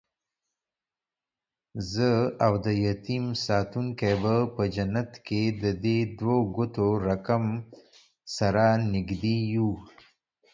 زه اودیتیم ساتونکی به په جنت کې ددې دوو ګوتو رکم، سره نږدې یو